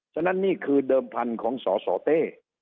ฉะนั้นนี่คือเดิมพันธุ์ของสสเต้